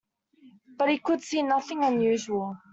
But he could see nothing unusual.